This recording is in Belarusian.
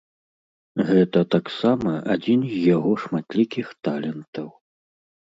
Гэта таксама адзін з яго шматлікіх талентаў.